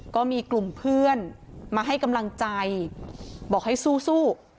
ก็มีกลุ่มเพื่อนมาให้กำลังใจบอกให้สู้